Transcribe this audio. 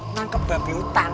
nangkep babi hutan